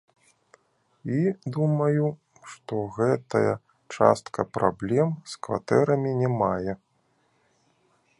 І думаю, што гэтая частка праблем з кватэрамі не мае.